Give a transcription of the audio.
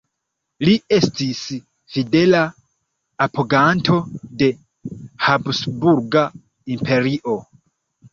Li estis fidela apoganto de habsburga Imperio.